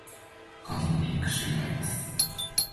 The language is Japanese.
下記にリンク集があります。